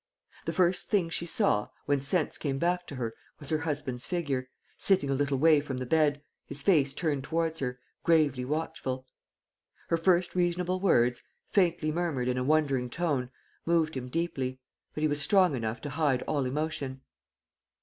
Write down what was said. The first thing she saw, when sense came back to her, was her husband's figure, sitting a little way from the bed, his face turned towards her, gravely watchful. Her first reasonable words faintly murmured in a wondering tone moved him deeply; but he was strong enough to hide all emotion.